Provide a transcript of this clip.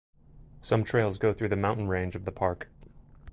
Some trails go through the mountain range of the park.